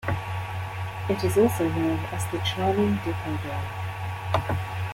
It is also known as the charming dipodil.